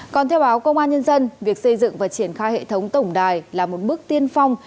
còn theo báo công an nhân dân việc xây dựng và triển khai hệ thống tổng đài là một bước tiên phong